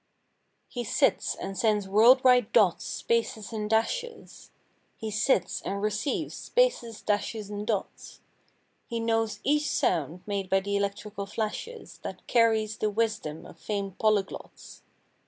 He sits and sends world wide dots, spaces and dashes; He sits and receives spaces, dashes and dots; He knows each sound made by electrical flashes. That carries the wisdom of famed polyglots.